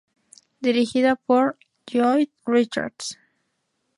Dirigida por Lloyd Richards.